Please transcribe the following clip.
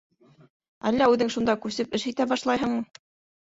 — Әллә үҙең шунда күсеп эш итә башлайһыңмы?